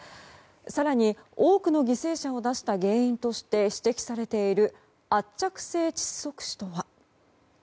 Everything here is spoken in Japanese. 更に、多くの犠牲者を出した原因として指摘されている圧着性窒息死とは。